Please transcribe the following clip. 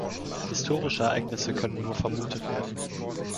Historische Ereignisse können nur vermutet werden.